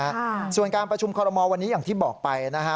อ่าส่วนการประชุมคอรมอลวันนี้อย่างที่บอกไปนะฮะ